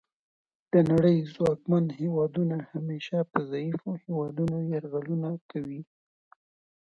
د نړۍ ځواکمن هیوادونه همیشه په ضعیفو هیوادونو یرغلونه کوي